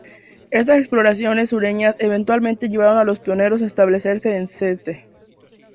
Estas exploraciones sureñas eventualmente llevaron a los pioneros a establecerse en St.